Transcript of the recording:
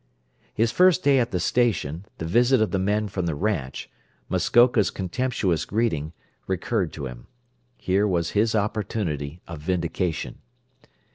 His first day at the station, the visit of the men from the ranch, Muskoka's contemptuous greeting, recurred to him. Here was his opportunity of vindication.